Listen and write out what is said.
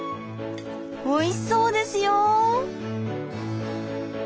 おいしそうですよ。